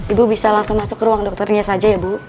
ibu bisa langsung masuk ke ruang dokternya saja ya bu